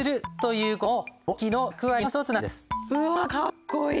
うわかっこいい！